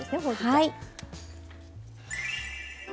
はい。